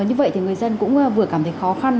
như vậy thì người dân cũng vừa cảm thấy khó khăn